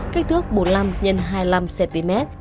kích thước bốn mươi năm x hai mươi năm cm